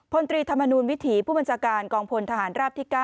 พลตรีธรรมนูลวิถีผู้บัญชาการกองพลทหารราบที่๙